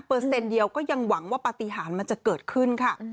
เปอร์เซ็นต์เดียวก็ยังหวังว่าปฏิหารมันจะเกิดขึ้นค่ะ